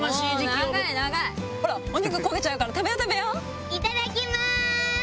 突然いただきます！